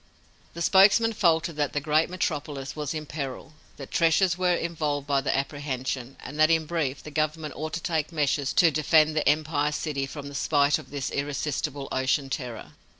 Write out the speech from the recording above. The spokesman faltered that the great metropolis was in peril, that treasures were involved by the apprehension, and that, in brief, the government ought to take measures to defend the Empire City from the spite of this irresistible ocean terror.